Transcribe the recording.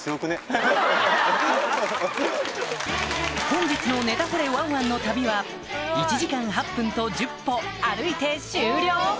本日のネタ掘れワンワンの旅は１時間８分と１０歩歩いて終了